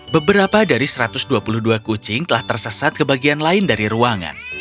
beberapa dari satu ratus dua puluh dua kucing telah tersesat ke bagian lain dari ruangan